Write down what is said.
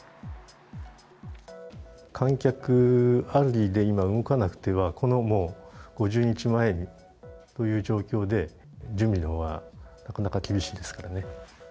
観客ありで今、動かなくては、このもう５０日前という状況で、準備のほうはなかなか厳しいですからね。